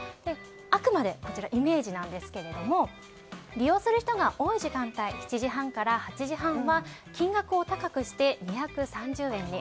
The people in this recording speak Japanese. あくまでイメージなんですが利用する人が多い時間帯７時半から８時半は金額を高くして２３０円に。